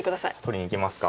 取りにいきますか。